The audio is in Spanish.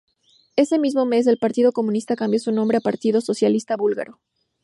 Ese mismo mes, el Partido Comunista cambió su nombre a Partido Socialista Búlgaro.